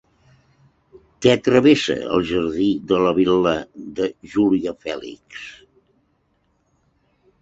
Què travessa el jardí de la Vil·la de Júlia Fèlix?